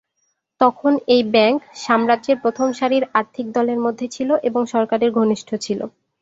তখন এই ব্যাঙ্ক সাম্রাজ্যের প্রথম সারির আর্থিক দলের মধ্যে ছিল এবং সরকারের ঘনিষ্ঠ ছিল।